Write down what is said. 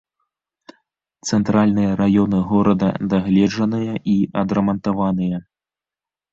Цэнтральныя раёны горада дагледжаныя і адрамантаваныя.